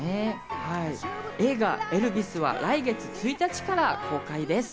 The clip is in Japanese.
映画『エルヴィス』は来月１日から公開です。